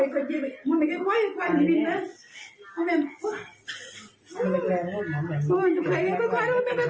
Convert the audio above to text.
เคพรีนนะแมน